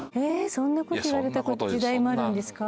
そんな事言われた時代もあるんですか？